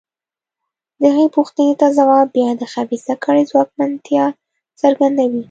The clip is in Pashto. دغې پوښتنې ته ځواب بیا د خبیثه کړۍ ځواکمنتیا څرګندوي.